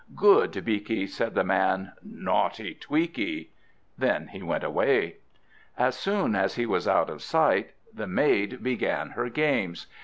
"Good Beaky!" said the man, "naughty Tweaky!" Then he went away. As soon as he was out of sight, the maid began her games.